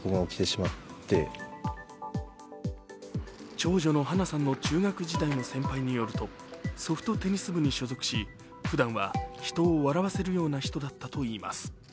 長女の華奈さんの中学時代の先輩によるとソフトテニス部に所属しふだんは人を笑わせるような人だったといいます。